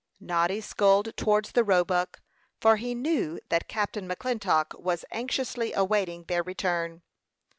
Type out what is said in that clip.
Noddy sculled towards the Roebuck, for he knew that Captain McClintock was anxiously awaiting their return.